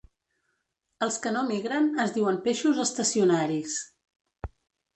Els que no migren es diuen peixos estacionaris.